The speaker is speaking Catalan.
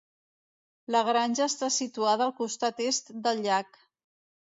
La granja està situada al costat est del llac.